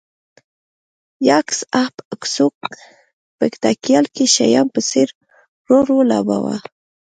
یاکس اهب اکسوک په تیکال کې شیام په څېر رول ولوباوه